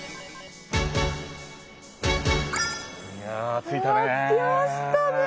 いやあ着いたね。